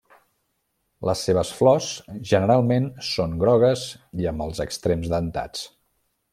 Les seves flors generalment són grogues i amb els extrems dentats.